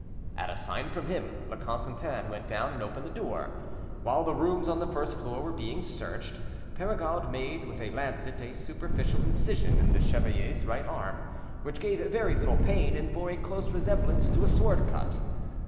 At a sign from him, La Constantin went down and opened the door. While the rooms on the first floor were being searched, Perregaud made with a lancet a superficial incision in the chevalier's right arm, which gave very little pain, and bore a close resemblance to a sword cut.